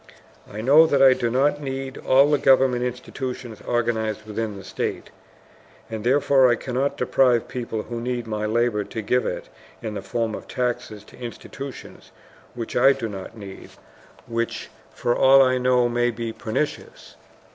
I know that I do not need all the government institutions organized within the state, and therefore I cannot deprive people who need my labor to give it in the form of taxes to institutions which I do not need, which for all I know may be pernicious.